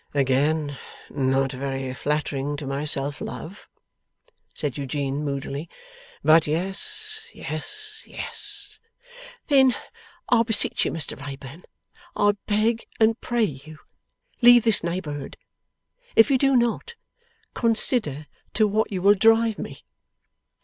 'Again, not very flattering to my self love,' said Eugene, moodily; 'but yes. Yes. Yes.' 'Then I beseech you, Mr Wrayburn, I beg and pray you, leave this neighbourhood. If you do not, consider to what you will drive me.